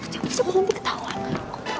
cepet cepet nanti ketahuan